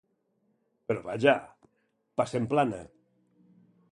Però vaja, passem plana.